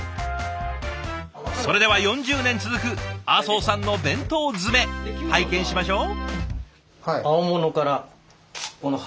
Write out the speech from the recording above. それでは４０年続く阿相さんの弁当詰め拝見しましょう。